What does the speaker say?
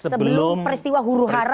sebelum peristiwa huru hara